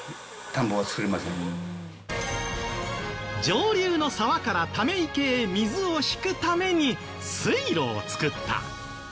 上流の沢からため池へ水を引くために水路を作った。